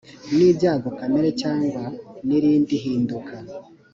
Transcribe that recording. n ibyago kamere cyangwa n irindi hinduka